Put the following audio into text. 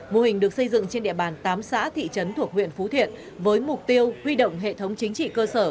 mô hình được xây dựng trên địa bàn tám xã thị trấn thuộc huyện phú thiện với mục tiêu huy động hệ thống chính trị cơ sở